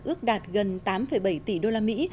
ước đạt gần tám bảy tỷ đô la mỹ